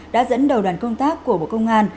đã dẫn đầu đoàn công tác của bộ công an